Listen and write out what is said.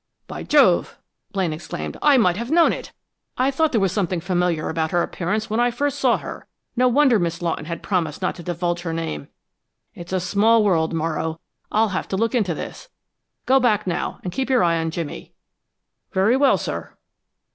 "By Jove!" Blaine exclaimed, "I might have known it! I thought there was something familiar about her appearance when I first saw her! No wonder Miss Lawton had promised not to divulge her name. It's a small world, Morrow. I'll have to look into this. Go back now and keep your eye on Jimmy." "Very well, sir."